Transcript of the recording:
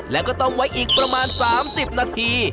แล้วก็ต้มไว้อีกประมาณ๓๐นาที